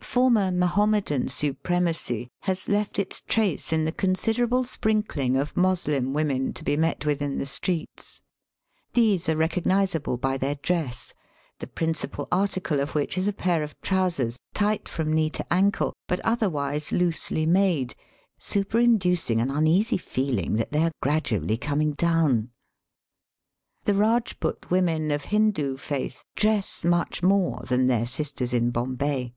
Former Mahomedan supremacy has left its trace in the considerable sprinkling of Moslem women to be met with in the streets. These are recognizable by their dress, the principal article of which is a pair of trousers, tight, from knee to ankle, but otherwise loosely made, superinducing an uneasy feeling that they are gradually coming down. The Eajput women of Hindoo faith dress much more than their sisters in Bombay.